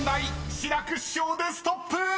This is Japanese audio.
志らく師匠でストップ！］